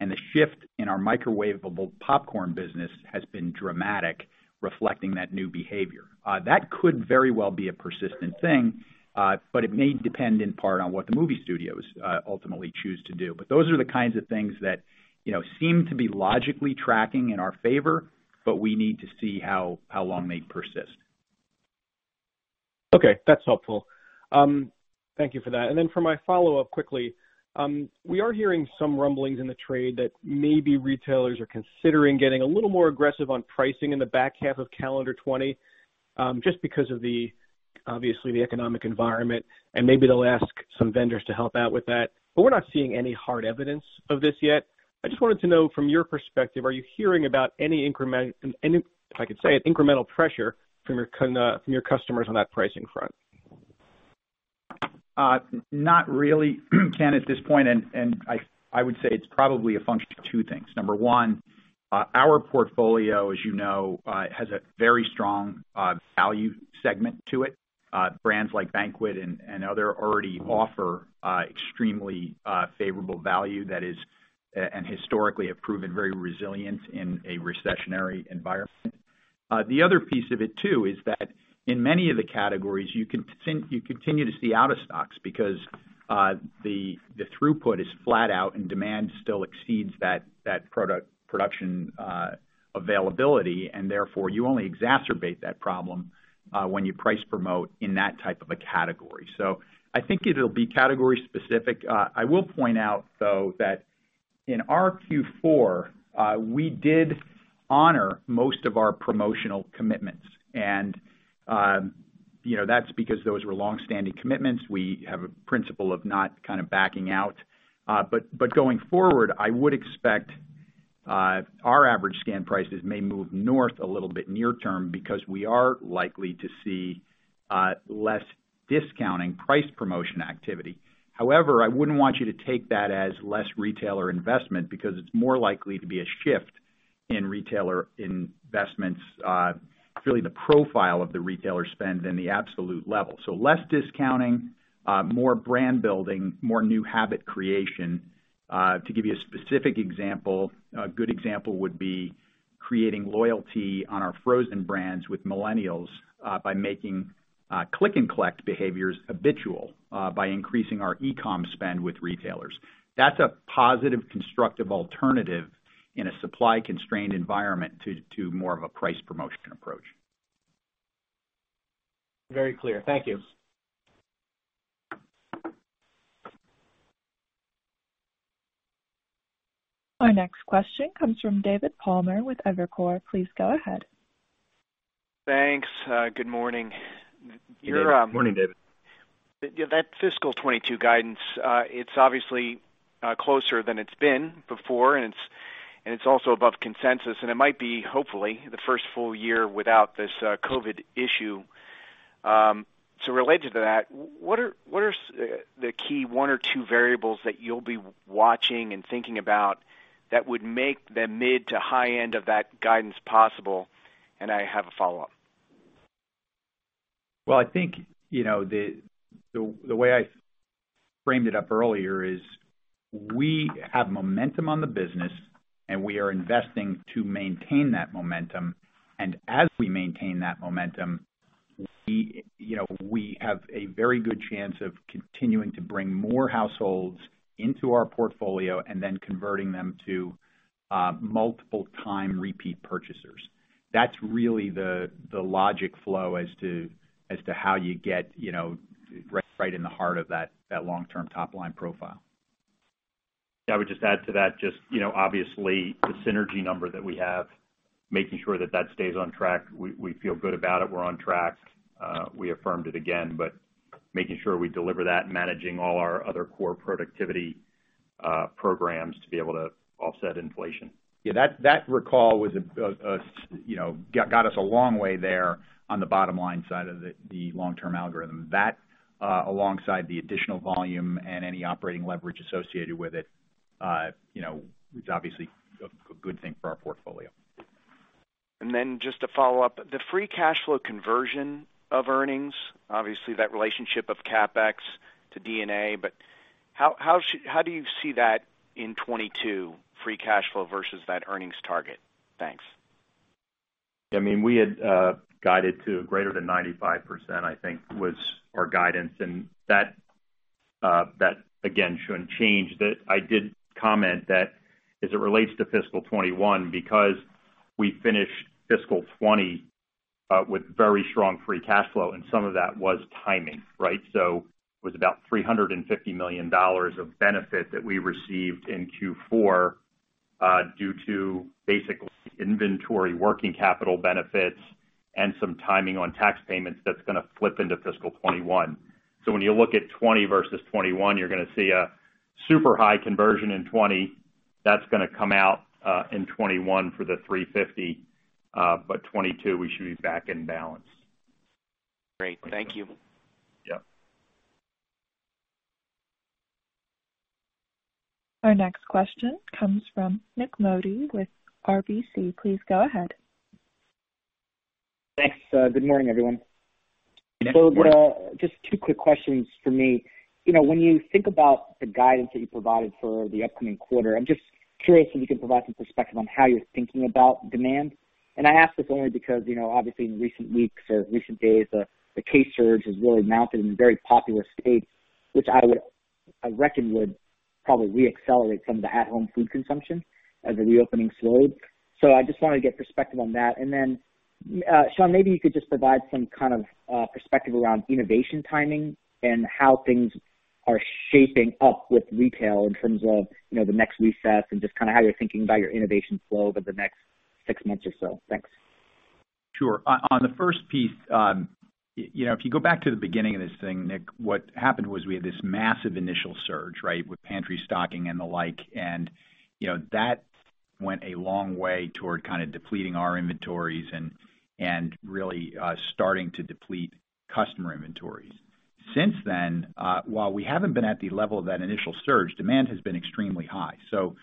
and the shift in our microwavable popcorn business has been dramatic, reflecting that new behavior. That could very well be a persistent thing, but it may depend in part on what the movie studios ultimately choose to do. But those are the kinds of things that seem to be logically tracking in our favor, but we need to see how long they persist. Okay. That's helpful. Thank you for that. And then for my follow-up quickly, we are hearing some rumblings in the trade that maybe retailers are considering getting a little more aggressive on pricing in the back half of calendar 2020 just because of, obviously, the economic environment. And maybe they'll ask some vendors to help out with that. But we're not seeing any hard evidence of this yet. I just wanted to know from your perspective, are you hearing about any, if I could say it, incremental pressure from your customers on that pricing front? Not really, Ken, at this point. And I would say it's probably a function of two things. Number one, our portfolio, as you know, has a very strong value segment to it. Brands like Banquet and other already offer extremely favorable value that is, and historically have proven very resilient in a recessionary environment. The other piece of it too is that in many of the categories, you continue to see out-of-stocks because the throughput is flat out and demand still exceeds that production availability. And therefore, you only exacerbate that problem when you price promote in that type of a category. So I think it'll be category-specific. I will point out, though, that in our Q4, we did honor most of our promotional commitments. And that's because those were long-standing commitments. We have a principle of not kind of backing out. But going forward, I would expect our average scan prices may move north a little bit near term because we are likely to see less discounting price promotion activity. However, I wouldn't want you to take that as less retailer investment because it's more likely to be a shift in retailer investments, really the profile of the retailer spend than the absolute level. So less discounting, more brand building, more new habit creation. To give you a specific example, a good example would be creating loyalty on our frozen brands with millennials by making click-and-collect behaviors habitual by increasing our e-com spend with retailers. That's a positive, constructive alternative in a supply-constrained environment to more of a price promotion approach. Very clear. Thank you. Our next question comes from David Palmer with Evercore. Please go ahead. Thanks. Good morning. Good morning, David. That fiscal 2022 guidance, it's obviously closer than it's been before, and it's also above consensus. And it might be, hopefully, the first full year without this COVID issue. So related to that, what are the key one or two variables that you'll be watching and thinking about that would make the mid to high end of that guidance possible? And I have a follow-up. Well, I think the way I framed it up earlier is we have momentum on the business, and we are investing to maintain that momentum. And as we maintain that momentum, we have a very good chance of continuing to bring more households into our portfolio and then converting them to multiple-time repeat purchasers. That's really the logic flow as to how you get right in the heart of that long-term top-line profile. I would just add to that, just obviously, the synergy number that we have, making sure that that stays on track. We feel good about it. We're on track. We affirmed it again, but making sure we deliver that, managing all our other core productivity programs to be able to offset inflation. Yeah, that recall got us a long way there on the bottom-line side of the long-term algorithm. That, alongside the additional volume and any operating leverage associated with it, is obviously a good thing for our portfolio. And then just to follow up, the free cash flow conversion of earnings, obviously, that relationship of CapEx to D&A, but how do you see that in 2022, free cash flow versus that earnings target? Thanks. I mean, we had guided to greater than 95%, I think, was our guidance. And that, again, shouldn't change. I did comment that as it relates to fiscal 2021, because we finished fiscal 2020 with very strong free cash flow, and some of that was timing, right? So it was about $350 million of benefit that we received in Q4 due to basically inventory working capital benefits and some timing on tax payments that's going to flip into fiscal 2021. So when you look at 2020 versus 2021, you're going to see a super high conversion in 2020. That's going to come out in 2021 for the 350, but 2022, we should be back in balance. Great. Thank you. Yeah. Our next question comes from Nik Modi with RBC. Please go ahead. Thanks. Good morning, everyone. So just two quick questions for me. When you think about the guidance that you provided for the upcoming quarter, I'm just curious if you can provide some perspective on how you're thinking about demand. And I ask this only because, obviously, in recent weeks or recent days, the case surge has really mounted in very popular states, which I reckon would probably re-accelerate some of the at-home food consumption as the reopening slowed. So I just wanted to get perspective on that. And then, Sean, maybe you could just provide some kind of perspective around innovation timing and how things are shaping up with retail in terms of the next reset and just kind of how you're thinking about your innovation flow over the next six months or so. Thanks. Sure. On the first piece, if you go back to the beginning of this thing, Nick, what happened was we had this massive initial surge, right, with pantry stocking and the like, and that went a long way toward kind of depleting our inventories and really starting to deplete customer inventories. Since then, while we haven't been at the level of that initial surge, demand has been extremely high, so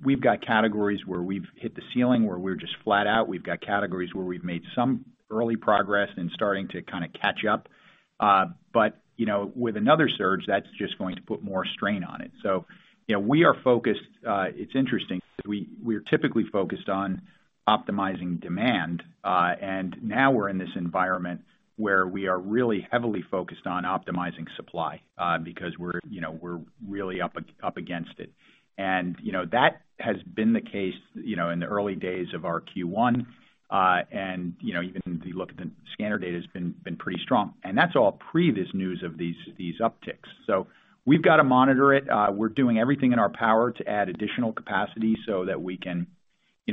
we've got categories where we've hit the ceiling, where we're just flat out. We've got categories where we've made some early progress and starting to kind of catch up, but with another surge, that's just going to put more strain on it, so we are focused, it's interesting, we're typically focused on optimizing demand, and now we're in this environment where we are really heavily focused on optimizing supply because we're really up against it. And that has been the case in the early days of our Q1. And even if you look at the scanner data, it's been pretty strong. And that's all pre this news of these upticks. So we've got to monitor it. We're doing everything in our power to add additional capacity so that we can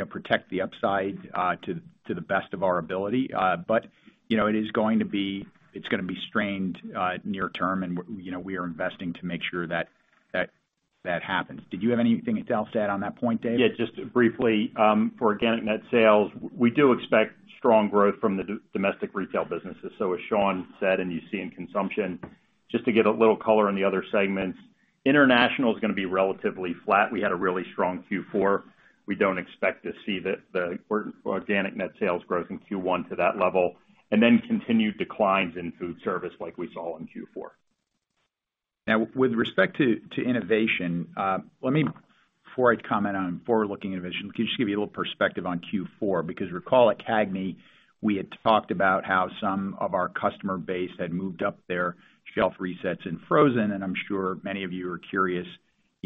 protect the upside to the best of our ability. But it is going to be. It's going to be strained near term, and we are investing to make sure that that happens. Did you have anything else to add on that point, Dave? Yeah, just briefly, for organic net sales, we do expect strong growth from the Domestic Retail businesses. So as Sean said, and you see in consumption, just to get a little color in the other segments, international is going to be relatively flat. We had a really strong Q4. We don't expect to see the organic net sales growth in Q1 to that level and then continued declines in foodservice like we saw in Q4. Now, with respect to innovation, let me, before I comment on forward-looking innovation, let me just give you a little perspective on Q4. Because recall at Conagra, we had talked about how some of our customer base had moved up their shelf resets and frozen, and I'm sure many of you are curious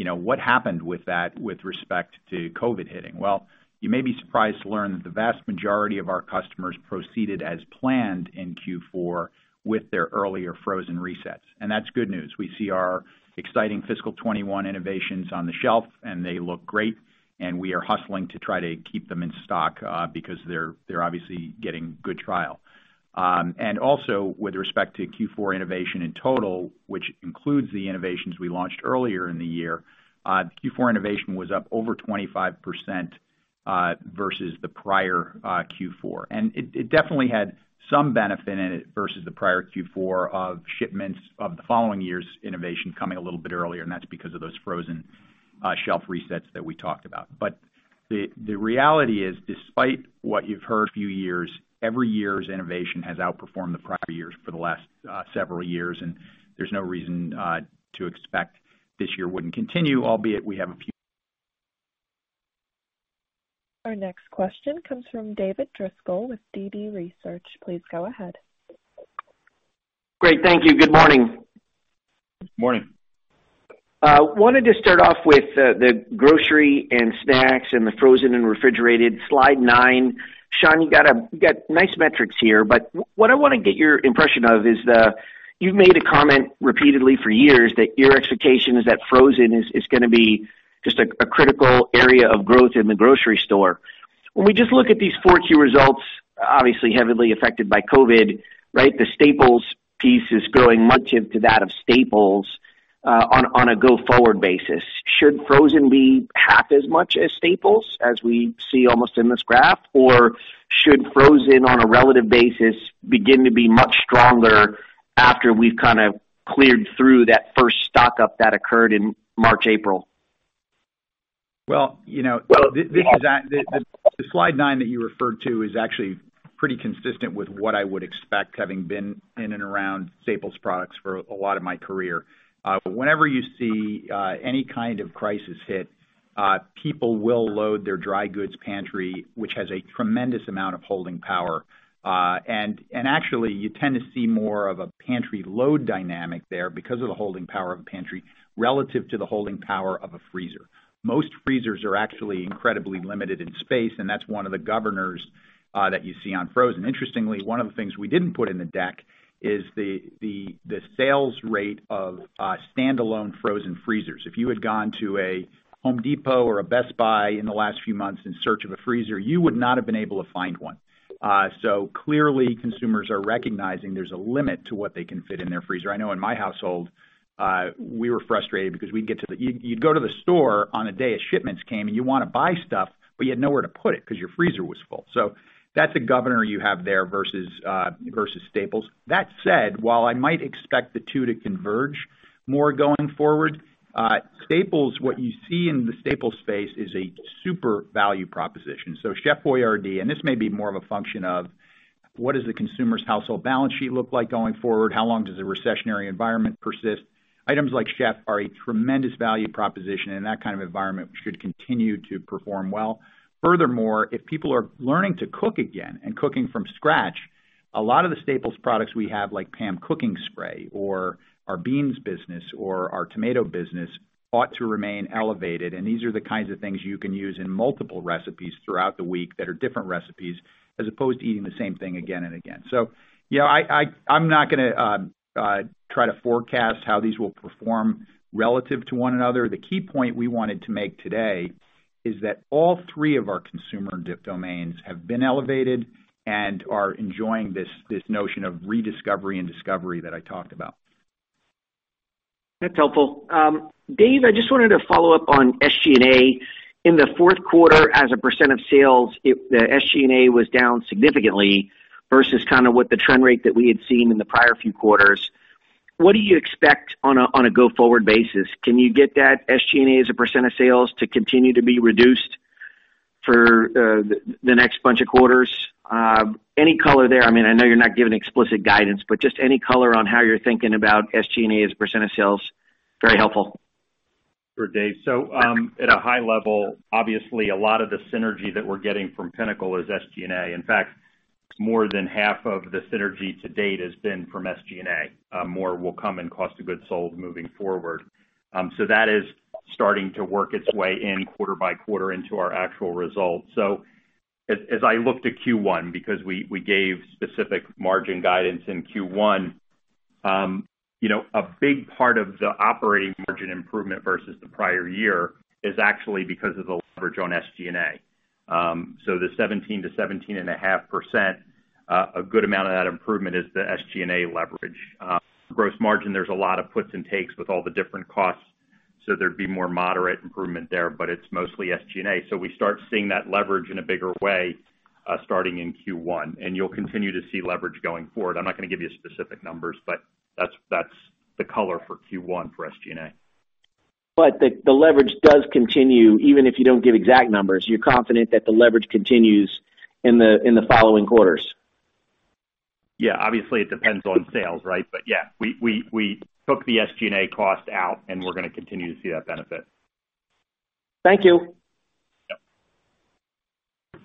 what happened with that with respect to COVID hitting, well, you may be surprised to learn that the vast majority of our customers proceeded as planned in Q4 with their earlier frozen resets, and that's good news. We see our exciting fiscal 2021 innovations on the shelf, and they look great, and we are hustling to try to keep them in stock because they're obviously getting good trial. And also, with respect to Q4 innovation in total, which includes the innovations we launched earlier in the year, Q4 innovation was up over 25% versus the prior Q4. And it definitely had some benefit in it versus the prior Q4 of shipments of the following year's innovation coming a little bit earlier. And that's because of those frozen shelf resets that we talked about. But the reality is, despite what you've heard a few years, every year's innovation has outperformed the prior years for the last several years. And there's no reason to expect this year wouldn't continue, albeit we have a few. Our next question comes from David Driscoll with DD Research. Please go ahead. Great. Thank you. Good morning. Good morning. Wanted to start off with the Grocery and Snacks and the Frozen and Refrigerated, slide nine. Sean, you've got nice metrics here. What I want to get your impression of is you've made a comment repeatedly for years that your expectation is that frozen is going to be just a critical area of growth in the grocery store. When we just look at these four key results, obviously heavily affected by COVID, right, the staples piece is growing much into that of staples on a go-forward basis. Should frozen be half as much as staples as we see almost in this graph? Or should frozen on a relative basis begin to be much stronger after we've kind of cleared through that first stock up that occurred in March, April? The slide nine that you referred to is actually pretty consistent with what I would expect having been in and around staples products for a lot of my career. Whenever you see any kind of crisis hit, people will load their dry goods pantry, which has a tremendous amount of holding power, and actually, you tend to see more of a pantry load dynamic there because of the holding power of a pantry relative to the holding power of a freezer. Most freezers are actually incredibly limited in space, and that's one of the governors that you see on frozen. Interestingly, one of the things we didn't put in the deck is the sales rate of standalone frozen freezers. If you had gone to a Home Depot or a Best Buy in the last few months in search of a freezer, you would not have been able to find one, so clearly, consumers are recognizing there's a limit to what they can fit in their freezer. I know in my household, we were frustrated because we'd get to the, you'd go to the store on a day of shipments came, and you want to buy stuff, but you had nowhere to put it because your freezer was full. So that's a governor you have there versus staples. That said, while I might expect the two to converge more going forward, staples, what you see in the staples space is a super value proposition. So Chef Boyardee, and this may be more of a function of what does the consumer's household balance sheet look like going forward? How long does a recessionary environment persist? Items like Chef are a tremendous value proposition, and that kind of environment should continue to perform well. Furthermore, if people are learning to cook again and cooking from scratch, a lot of the staples products we have, like PAM cooking spray or our beans business or our tomato business, ought to remain elevated. And these are the kinds of things you can use in multiple recipes throughout the week that are different recipes as opposed to eating the same thing again and again. So I'm not going to try to forecast how these will perform relative to one another. The key point we wanted to make today is that all three of our consumer domains have been elevated and are enjoying this notion of rediscovery and discovery that I talked about. That's helpful. Dave, I just wanted to follow up on SG&A. In the fourth quarter, as a % of sales, the SG&A was down significantly versus kind of what the trend rate that we had seen in the prior few quarters. What do you expect on a go-forward basis? Can you get that SG&A as a % of sales to continue to be reduced for the next bunch of quarters? Any color there? I mean, I know you're not giving explicit guidance, but just any color on how you're thinking about SG&A as a % of sales? Very helpful. Sure, Dave. So at a high level, obviously, a lot of the synergy that we're getting from Pinnacle is SG&A. In fact, more than half of the synergy to date has been from SG&A. More will come in cost of goods sold moving forward. So that is starting to work its way in quarter by quarter into our actual results. So as I look to Q1, because we gave specific margin guidance in Q1, a big part of the operating margin improvement versus the prior year is actually because of the leverage on SG&A. So the 17%-17.5%, a good amount of that improvement is the SG&A leverage. Gross margin, there's a lot of puts and takes with all the different costs. So there'd be more moderate improvement there, but it's mostly SG&A. So we start seeing that leverage in a bigger way starting in Q1. And you'll continue to see leverage going forward. I'm not going to give you specific numbers, but that's the color for Q1 for SG&A. But the leverage does continue, even if you don't give exact numbers, you're confident that the leverage continues in the following quarters? Yeah. Obviously, it depends on sales, right? But yeah, we took the SG&A cost out, and we're going to continue to see that benefit. Thank you. Yep.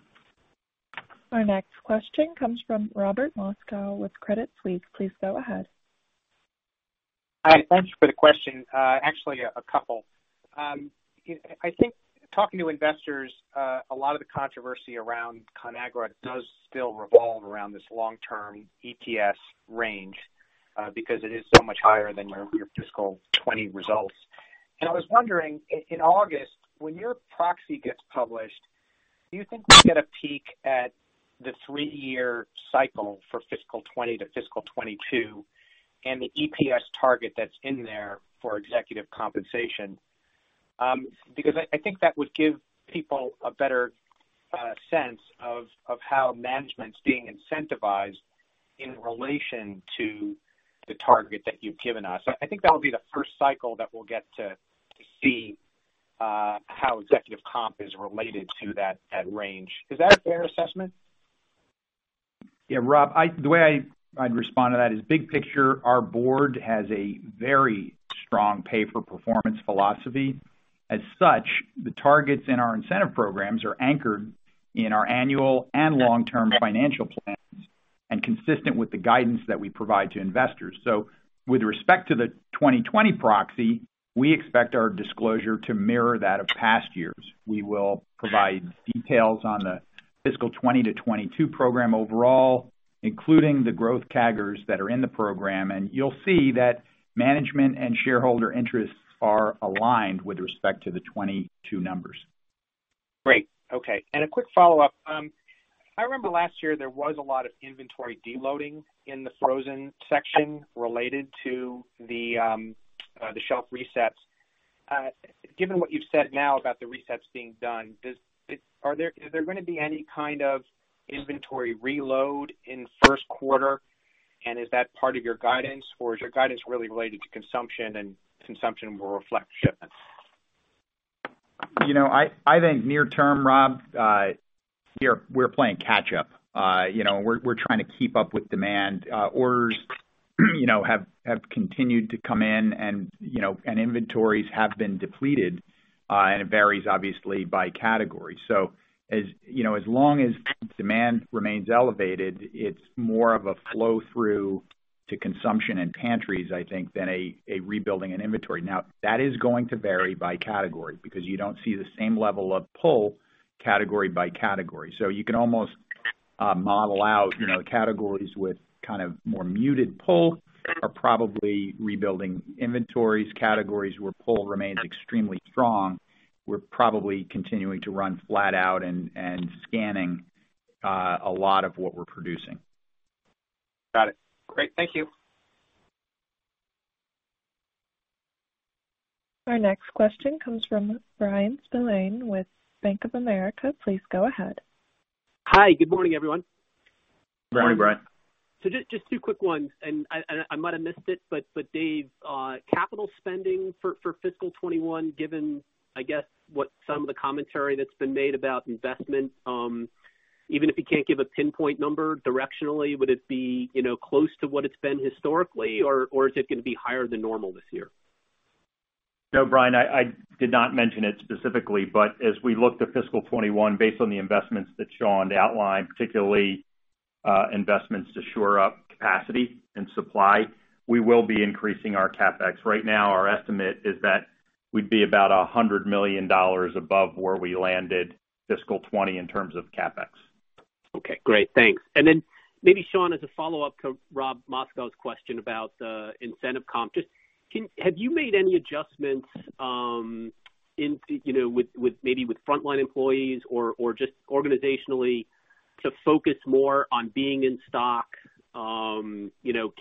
Our next question comes from Robert Moskow with Credit Suisse. Please go ahead. Hi. Thanks for the question. Actually, a couple. I think talking to investors, a lot of the controversy around Conagra does still revolve around this long-term EPS range because it is so much higher than your fiscal 2020 results. And I was wondering, in August, when your proxy gets published, do you think we get a peek at the three-year cycle for fiscal 2020 to fiscal 2022 and the EPS target that's in there for executive compensation? Because I think that would give people a better sense of how management's being incentivized in relation to the target that you've given us. I think that'll be the first cycle that we'll get to see how executive comp is related to that range. Is that a fair assessment? Yeah, Rob, the way I'd respond to that is big picture, our board has a very strong pay-for-performance philosophy. As such, the targets in our incentive programs are anchored in our annual and long-term financial plans and consistent with the guidance that we provide to investors. So with respect to the 2020 proxy, we expect our disclosure to mirror that of past years. We will provide details on the fiscal 2020 to 2022 program overall, including the growth CAGRs that are in the program. And you'll see that management and shareholder interests are aligned with respect to the 2022 numbers. Great. Okay. And a quick follow-up. I remember last year there was a lot of inventory deloading in the frozen section related to the shelf resets. Given what you've said now about the resets being done, is there going to be any kind of inventory reload in first quarter? And is that part of your guidance? Or is your guidance really related to consumption, and consumption will reflect shipments? I think near term, Rob, we're playing catch-up. We're trying to keep up with demand. Orders have continued to come in, and inventories have been depleted. And it varies, obviously, by category. So as long as demand remains elevated, it's more of a flow-through to consumption and pantries, I think, than a rebuilding and inventory. Now, that is going to vary by category because you don't see the same level of pull category by category. So you can almost model out categories with kind of more muted pull, are probably rebuilding inventories. Categories where pull remains extremely strong, we're probably continuing to run flat out and scanning a lot of what we're producing. Got it. Great. Thank you. Our next question comes from Bryan Spillane with Bank of America. Please go ahead. Hi. Good morning, everyone. Good morning, Brian. So just two quick ones. And I might have missed it, but Dave, capital spending for fiscal 2021, given, I guess, what some of the commentary that's been made about investment, even if you can't give a pinpoint number directionally, would it be close to what it's been historically, or is it going to be higher than normal this year? No, Brian, I did not mention it specifically. As we look to fiscal 2021, based on the investments that Sean outlined, particularly investments to shore up capacity and supply, we will be increasing our CapEx. Right now, our estimate is that we'd be about $100 million above where we landed fiscal 2020 in terms of CapEx. Okay. Great. Thanks. And then maybe, Sean, as a follow-up to Robert Moskow's question about the incentive comp, just have you made any adjustments with maybe frontline employees or just organizationally to focus more on being in stock,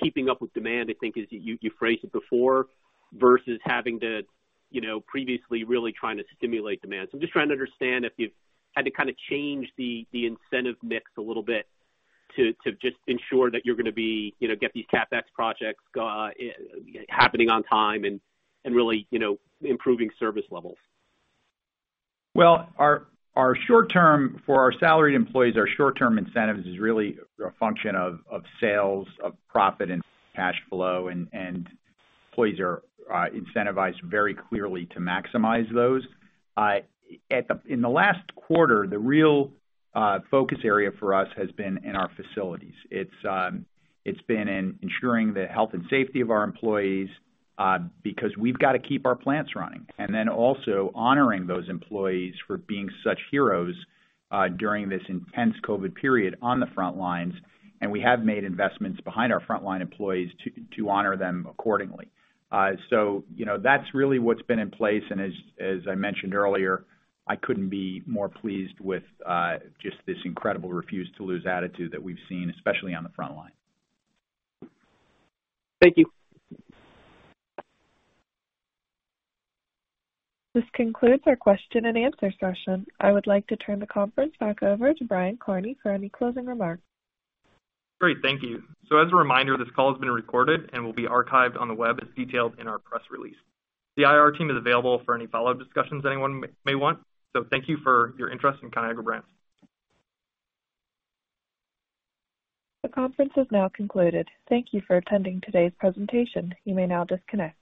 keeping up with demand, I think, as you phrased it before, versus having to previously really trying to stimulate demand? So I'm just trying to understand if you've had to kind of change the incentive mix a little bit to just ensure that you're going to get these CapEx projects happening on time and really improving service levels. For our salaried employees, our short-term incentives is really a function of sales, of profit and cash flow, and employees are incentivized very clearly to maximize those. In the last quarter, the real focus area for us has been in our facilities. It's been in ensuring the health and safety of our employees because we've got to keep our plants running. And then also honoring those employees for being such heroes during this intense COVID period on the front lines. And we have made investments behind our frontline employees to honor them accordingly. So that's really what's been in place. And as I mentioned earlier, I couldn't be more pleased with just this incredible refuse-to-lose attitude that we've seen, especially on the front line. Thank you. This concludes our question and answer session. I would like to turn the conference back over to Brian Kearney for any closing remarks. Great. Thank you. So as a reminder, this call has been recorded and will be archived on the web as detailed in our press release. The IR team is available for any follow-up discussions anyone may want. So thank you for your interest in Conagra Brands. The conference has now concluded. Thank you for attending today's presentation. You may now disconnect.